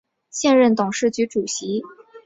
现任董事局主席兼董事总经理为郭炳联。